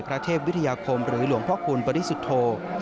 พระเทพวิทยาคมหรือหลวงพระคุณบริสุโธ